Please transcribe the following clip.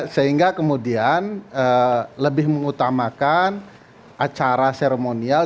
sehingga kemudian lebih mengutamakan acara seremonial